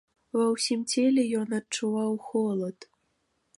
Ва ўсім целе ён адчуваў холад.